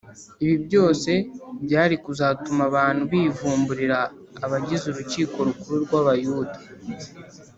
ibi byose byari kuzatuma abantu bivumburira abagize urukiko rukuru rw’abayuda